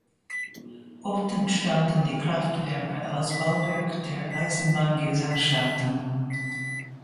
Oft entstanden die Kraftwerke als Bauwerk der Eisenbahngesellschaften.